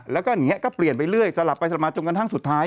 แล้วก็เปลี่ยนไปเรื่อยสลับไปสลับมาจนกันทั้งสุดท้าย